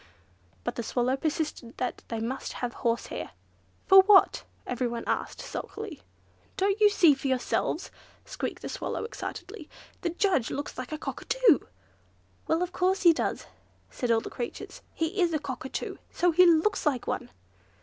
But the Swallow persisted that they must have horsehair. "What for?" asked everyone, sulkily. "Don't you see for yourselves," squeaked the Swallow, excitedly; "the judge looks like a Cockatoo." "Well, of course he does," said all the creatures. "He is a Cockatoo, so he looks like one!"